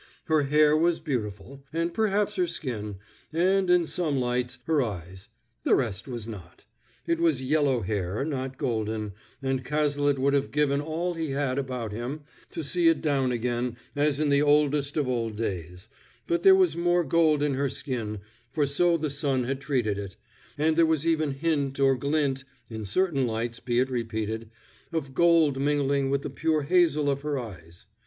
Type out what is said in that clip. Her hair was beautiful, and perhaps her skin, and, in some lights, her eyes; the rest was not. It was yellow hair, not golden, and Cazalet would have given all he had about him to see it down again as in the oldest of old days; but there was more gold in her skin, for so the sun had treated it; and there was even hint or glint (in certain lights, be it repeated) of gold mingling with the pure hazel of her eyes.